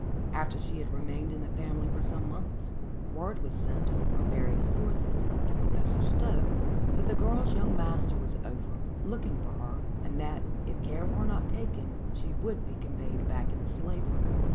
After she had remained in the family for some months, word was sent, from various sources, to Professor Stowe, that the girl's young master was over, looking for her, and that, if care were not taken, she would be conveyed back into slavery.